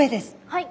はい！